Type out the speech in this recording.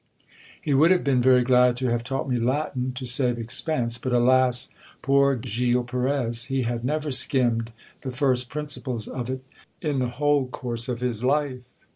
He would have been very glad to have taught me Latin, to save expense, but, alas ! poor Gil Perez ! he had never skimmed the first principles of it in the w r hole course of his life.